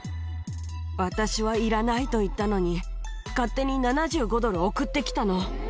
私はいらないと言ったのに、勝手に７５ドル送ってきたの。